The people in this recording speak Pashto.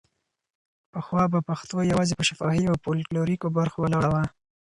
پخوا به پښتو یوازې په شفاهي او فولکلوریکو برخو ولاړه وه.